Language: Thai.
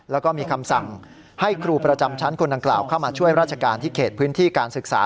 แล้วก็มีคำสั่งให้ครูประจำชั้นคนดังกล่าวเข้ามาช่วยราชการที่เขตพื้นที่การศึกษา